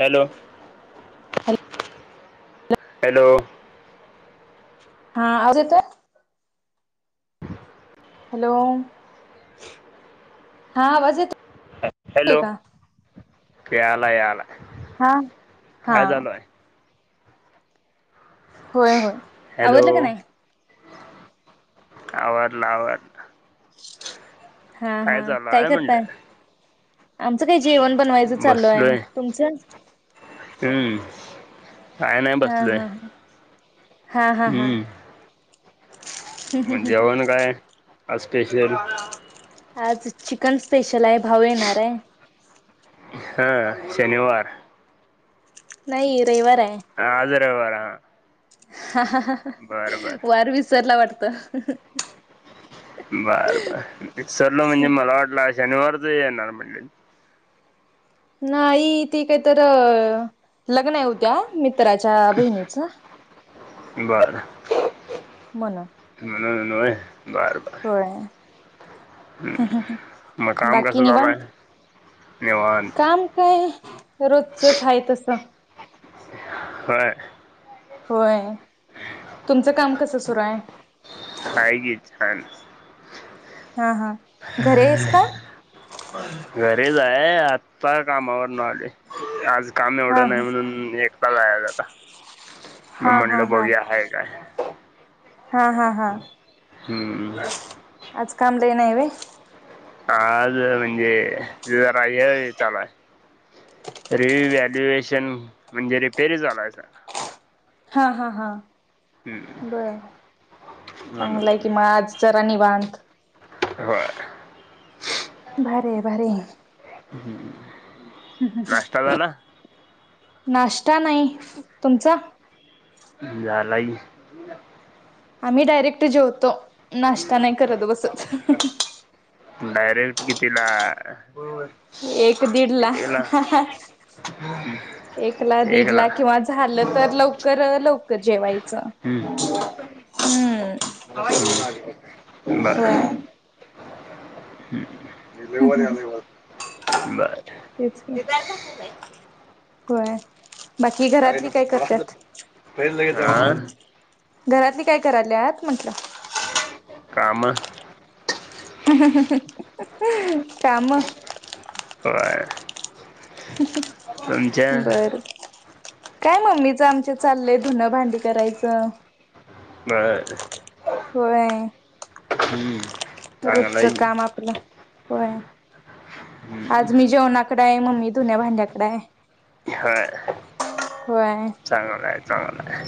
Hello hello hello हा आवाज येतय हॅलो हा आवाज येतोय का ख्याला याला हा हा काय चालू आहे होय होय आवडलं का नाही आवडला आवडला हा हा काय आहे करताय म्हणलं आमचं काही जेवण बनवायचं चालू आहे तुमचं हय नाही हा बसले हा हा हा हा म्हण जेवण काय असपेशल आज चिकन स्पेशल आहे भाऊ येणार आहे. हा शनिवार. नाही रविवार आहे. आज रविवार हा बरं बरं वार विसरला वाटतं. बर बर मिक्सरल म्हणजे मला वाटलं शनिवारच येणार म्हटलं. नाही ती काहीत लग्न आहे होत्या मी मित्राच्या बहिणीचं. बर. म्हणं. म्ह न बर बर. म काम बाकी कसं निवांत चालुय. काम काय रोजचच आहे तसं. होय. होय तुमचं काम कसं सुरू हाय. हाय कि छान. हा हा घरी आहेस का? घरीच आहे आत्ता कामावर न आलोय. आज काम हा एवढं नाही हा म्हणून एकटाच आहे आता. मग हा हा म्हणलं हा बघुया हाय काय. हा हा हा. हम्म. आज काम लयी नाही होय. आज म्हणजे जरा हे चालु आहे. रिव्हल्युएशन म्हणजे रिपेरी चालु सर. हा हा हा. हम्म बर म्हणून चांगलं आहे कि म आज जरा निवांत. होय. भारी भारीय. ह नाश्ता ह झाला नाश्ता नाही तुमचा? झालाय. आम्ही डायरेक्ट जेवतो नाश्ता नाही करत बसत. डायरेक्ट कितीला? एक दीड ला. एकला एक ला दीड एकला ला किंवा झालं तर लवकर लवकर जेवाय च. होय. बरं. हम्म हम्म हम्म. तेच की [unintelligible] होय बाकी घरातली नको काय मला तर करतात. पहिलं लगेच जबाब हा घरातली काय करायल्यात म्हटलं? कामं. कामं. होय तुमच्या बरं. काय मम्मीचं आमचे चाललंय धुनं भांडी करायचं. काय. होय. हम्म. रोजच काम आपलं होय. आज मी जेवणा आहे मम्मी धुण्या-भांड्याकडं हाय. होय चांगलं आहे. चांगला आहे.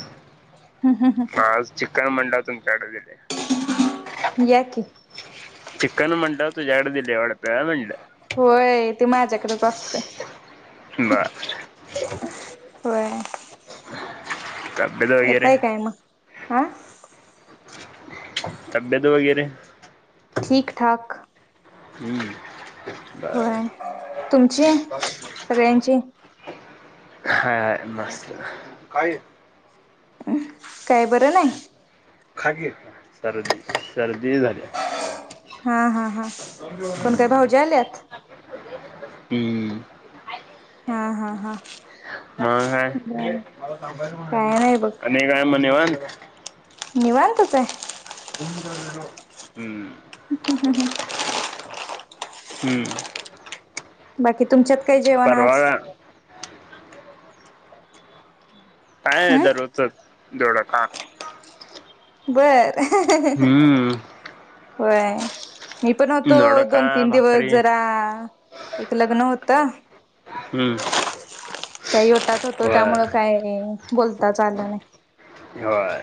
मग आज चिकन म्हटल्यावर तुमच्याकडच येत्यात. या की चिकन म्हटल्यावर तुझ्याकडं दिलेय वाटतं अ म्हणलं. होय ते माझ्याकडंच असतय. बरं [inaudible] होय तबैत वगैरे? आ. तब्येत वगैरे ठीक -ठाक. हम्म. बर होय, तुमची सगळ्यांची. हाय हाय मस्त काय अ काय बरं नाही? खाकी सर्दी -सर्दी झाल्या. हा हा हा. कोण काय भाऊजी आल्यात? हम्म [inaudible] हा हा हा. मग बर काय काय [inaudible] आणि काय म निवांत. निवांतचं हाय. [inaudible] हम्म [inaudible] हम्म बाकी तुमच्यात काय जेवण परवा आज? काय हम् दरोचचं दोडका [inaudible] बरं हम्म होय. मी पण होतो, दोडका दोन-तीन दिवस भाकरी जरा एक लग्न होतं. हम्म. त्या योटात होतो, होय त्यामुळं काय बोलताच आलं नाही. होय.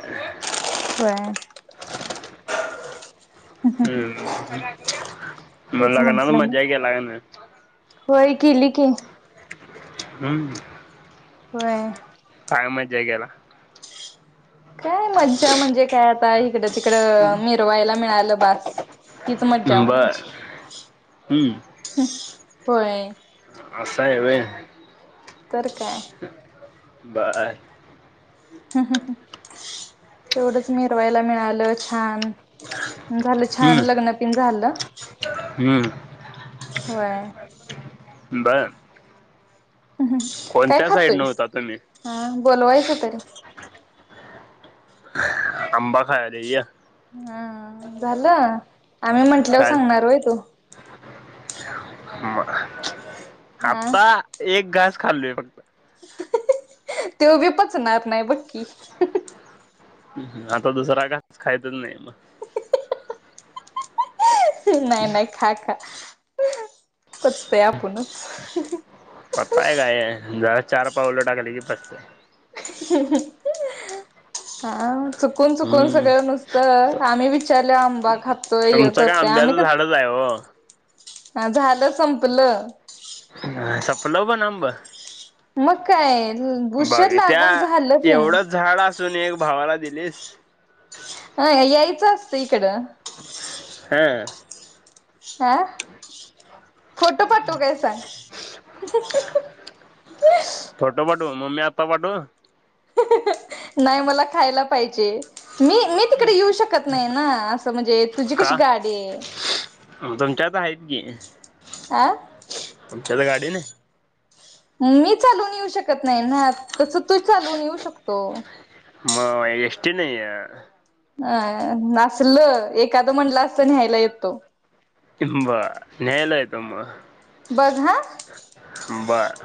होय. हम्म मग तेच लग्नाला म्हंटलं मज्जा मग केला का नाय? होय केली की. हम्म. होय. काय मज्जा केला? काय मज्जा म्हणजे काय आता. इकडं -तिकडं मिरवायला मिळालं बास. तीच मज्जा बर हम्म म्हणायची-होय. अस हाय होय. तर काय. बरं हाय. ह ह. तेवढच मिरवायला मिळालं छान. झालं छान लग्न तेन झालं. हम. होय. बरं. हम्. काय खातोस होता तुम्ही आ बोलवायचं तरी. आंबा खायालोय ये. हा झालं. आम्ही म्हंटल्यावर सांगणार होय तु. म. हा आता एक घास खाल्लोय फक्त. त्यो भी पचणार नाही बक की. आता दुसरा घास खाहाईतच नाही. नाही-नाही खा-खा पावतोय आपणच. पताय काय जरा चार पावलं टाकली की पस्त, [unintelligible] हा चुकून चुकून हम्म सगळं नुसतं आम्ही विचार, आंबा खातोय हे तुमचं काय करतय आम्ही आंब्याचं कस, झाडच आहे हो हा झालं संपलं. संपलं पण आंब? मकाय, बघ त्या एवढंच झाड असून, एक भावाला दिलीस! अ यायचं असत इकडं, हा, हं फोटू पटू काय सांग. [unintelligible] फोटू पाटू मग मी आता पाठू, नाही मला खायला पाहिजे. मी मी तिकडे येऊ शकत नाही ना, असं म्हणजे तुझी कशी का गाडी आहे. तुमच्यात आहेत की, आ तुमच्यात गाडी नाही, मी चालून येऊ शकत नाही ना, तस तू चालून येऊ शकतो. मग एसटीने ए, अ असल एखादं म्हटलं, असत न्यायला येतो. बर न्यायला येतो मग, बघ ह! बर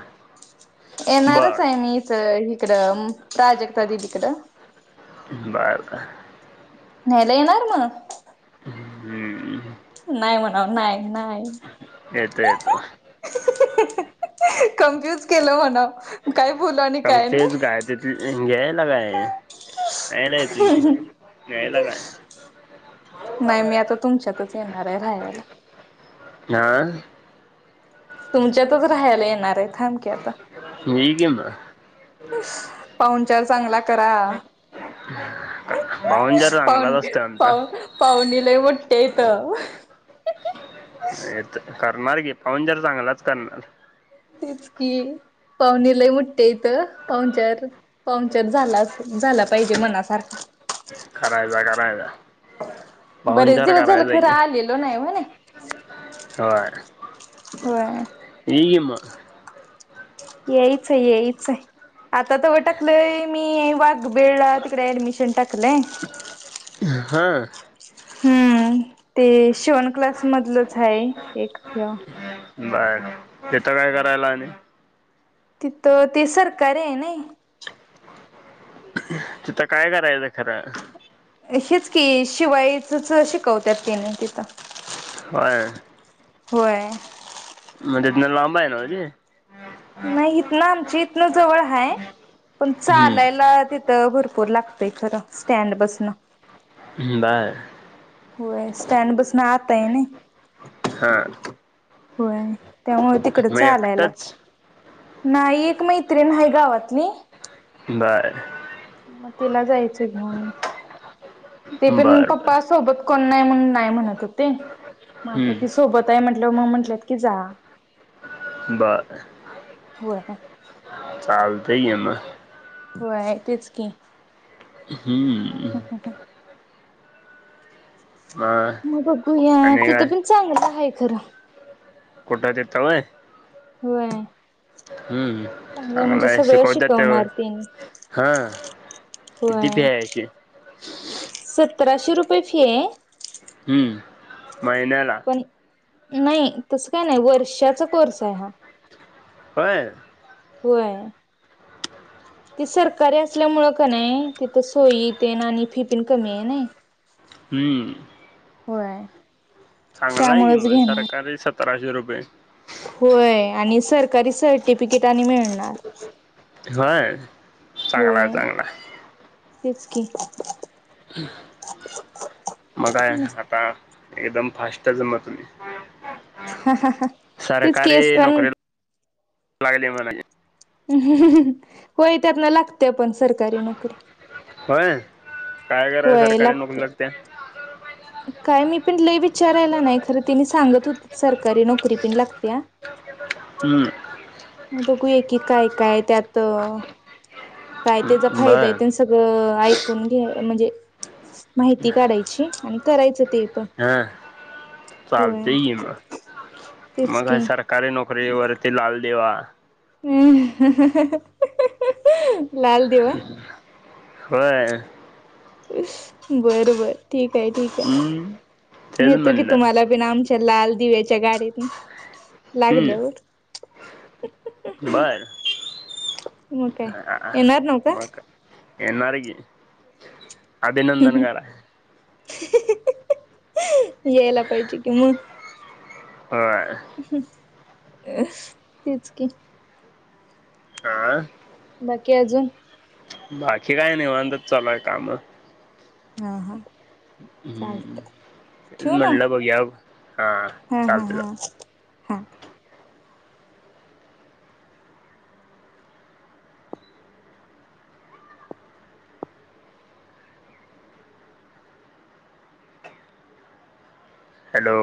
येणारच बर आहे मी, मीच हिकडं प्राजक्ता दीदी कड, [unintelligible] न्यायला येणार मग? हम्म नाही म्हणाव नाय नाय, येतो, येतो, कन्फ्युज केलं म्हणा, काय बोल आणि काय आमचेच नाही, काय तिथ घ्यायला काय न्यायला येतो, की न्यायला काय, नाही मी आता तुमच्यातच येणार आहे राहायला, आा, तुमच्यातच राहायला येणार, आह थांब की आता, ये की मग, पाहुणचार चांगला करा, [unintelligible] पाहुणचार पाह चांगलाच असतोय आमचा पाह पाहुणी लय मोठी आहेत. तर करणार की पाहुणचार चांगलाच करणार. तेच कि, पाहुणी लय मोठी आहे इथं, पाहुणचार झाला झाला पाहिजे मनासारखा, करायचा, करायचा, बरेच पाहुणचार दिवस झालं करायचा खर की आलेलो नाही वहनी, होय, होय, एकी मग, येईच आहे येईच आहे. आता तरव टाकलंय मी वाघबेळला तिकडे ऍडमिशन टाकलंय. [unintelligible] हां. हम्म ते शीवण क्लास मधलच हाय एक त्य, बंर तिथं काय करायला आणि? तिथं ते सरकारी हायनी, तिथं काय करायचंय? हीच की शिवायचच शिकवत्यात तेनी तितं. होय. होय. म तीत्न लांबायना जे? नाही इथनं आमच्या इथनं जवळ हाय पन हम्म चालायला तिथं भरपूर लागतंय खरं स्टँड पसन. बंर. होय स्टँड पसन आताय नई. हां. होय त्यामुळं तिकड चालाय लाग एकटंच नाई एक मैत्रिण हाय गावातली. बंर. मग तिला जायचं घ्यून ते पण बर बर पप्पा सोबत कॉ नाय म्हणून नाय म्हणत होते म आताती हम्म सोबताय म्हंटल्यावर म म्हंटल्यात कीजा. बंर. होय चालतंयम. होय तेचकी. हम्म. मग म बघूया आणि काय तिथेपीन चांगलं हाय खरं. कुटं तीत व्हय? व्हय. हम्म चांगलाय शिकवत्यात त्या शिकवणार तेनी. ह. होय. किती फी अशी? सतराशे रुपये फी ये. मैन्याला? न्हाई तसं काय नाइ वर्षाचा कोर्साय हा. होय. होय. [inaudible] ती सरकारी असल्यामुळं कनई तिथं सोयी तेन आणि फी पन कमीआय नई. हम्म होय. चांगलाय किम त्यामुळेच घेणार सरकारी सतराशे रुपय. होय आणि सरकारी सर्टिफिकेट आणि मिळणार. होय चांगलाय चांगलाय. तेचकी. म काय आता? एकदम फास्टच मतुमी. तेच की सरकारी असताना नोकरी [unintelligible] लागली म्हणायची. होय त्यातन लागत्यापन सरकारी नोकरी. होय काय कराय होय सरकारी नोकरी लागते. लागत्या? काय मीपीन लई विचारायला नाही खरं तिनी सांगत होतीत सरकारी नोकरीपीन लागत्या. हम्म. बघूया की कायकाय त्यात अ काय त्याचा हम्म फायदाय बर तेन सगळं ऐक कून घ्ये म्हंजे माहिती काढायची आणि करायच तेपन. चालतय कीम तेच मकाय की सरकारी नोकरी व ते लाल दीवा. लाल दिवा. होय. बरबर ठीके ठीके हम्म तेच नेतो की म्हणलं तुम्हाला बी आम लाल दिव्याच्या गाडीतन हम्म लागल्यावर बर म काय येणार नवका येनार की अभिनंदन कराय येईला पहिजे की म होय तेच कि हा बाकी अजून बाकी काय निवांतच चालूय काम हा, हा हम्म. चालतय ठेव मग म्हणलं बघयाव हा, हा, हा, हा हॅलो